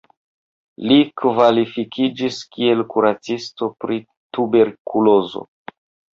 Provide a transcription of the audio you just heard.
Li kvalifikiĝis kiel kuracisto pri tuberkulozo.